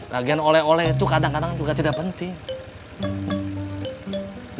ragian oleh oleh itu kadang kadang juga tidak penting